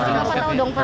orang berapa pak